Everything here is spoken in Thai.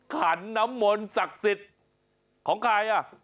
ขันหน้ามนศักดิ์สิตของใครอะ